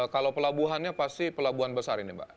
kalau pelabuhannya pasti pelabuhan besar ini mbak